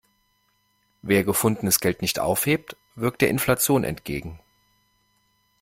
Wer gefundenes Geld nicht aufhebt, wirkt der Inflation entgegen.